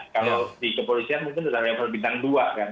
kalau di kepolisian mungkin sudah level bintang dua kan